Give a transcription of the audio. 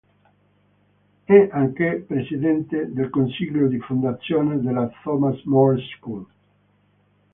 È anche Presidente del Consiglio di fondazione della Thomas More School.